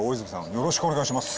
よろしくお願いします